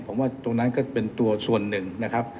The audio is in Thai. ผมว่าตรงนั้นก็เป็นตัวส่วนหนึ่งนะครับ